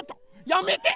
やめて！